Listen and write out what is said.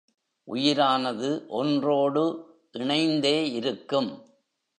உயிரானது ஒன்றோடு இணைந்தே இருக்கும்.